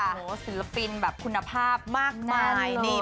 โหศิลปินแบบคุณภาพมากมายนั่นเลย